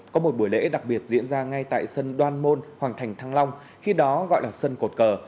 có một buổi lễ đặc biệt diễn ra ngay tại sân đoan môn hoàng thành thăng long khi đó gọi là sân cột cờ